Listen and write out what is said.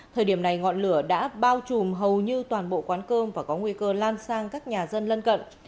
thời điểm này ngọn lửa đã bao trùm hầu như toàn bộ quán cơm và có nguy cơ lan sang các nhà dân lân cận